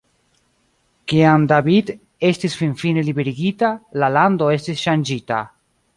Kiam David estis finfine liberigita, la lando estis ŝanĝita.